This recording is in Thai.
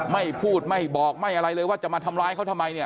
ไม่พูดไม่บอกไม่อะไรเลยว่าจะมาทำร้ายเขาทำไมเนี่ย